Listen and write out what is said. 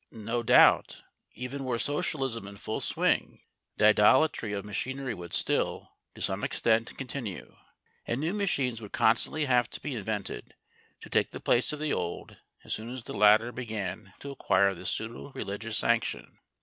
No doubt, even were Socialism in full swing, the idolatry of machinery would still, to some extent, continue, and new machines would constantly have to be invented to take the place of the old as soon as the latter began to acquire this pseudo religious sanction.